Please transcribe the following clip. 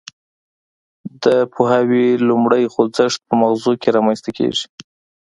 د پوهاوي لومړی خوځښت په مغزو کې رامنځته کیږي